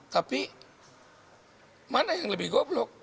tapi mana yang lebih goblok